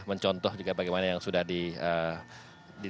mencontoh juga bagaimana yang sudah di